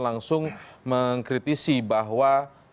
langsung mengkritisi bahwa